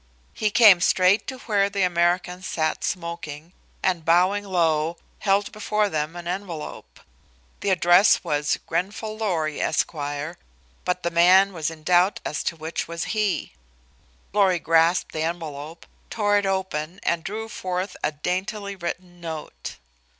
He came straight to where the Americans sat smoking and, bowing low, held before them an envelope. The address was "Grenfall Lorry Esq.," but the man was in doubt as to which was he. Lorry grasped the envelope, tore it open, and drew forth a daintily written note.